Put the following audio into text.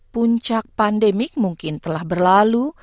puncak pandemik mungkin telah berlalu